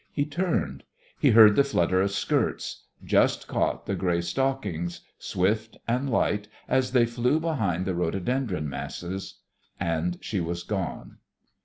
He turned. He heard the flutter of skirts just caught the grey stockings, swift and light, as they flew behind the rhododendron masses. And she was gone.